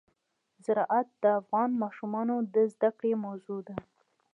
زراعت د افغان ماشومانو د زده کړې موضوع ده.